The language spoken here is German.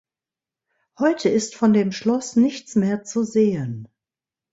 Heute ist von dem Schloss nichts mehr zu sehen.